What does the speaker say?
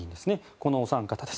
このお三方です。